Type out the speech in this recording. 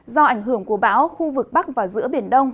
do ảnh hưởng của bão khu vực bắc và giữa biển đông